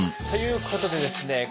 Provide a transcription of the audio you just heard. ということでですね